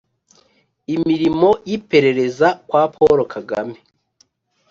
imirimo y'iperereza kwa paul kagame.